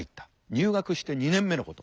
入学して２年目のこと。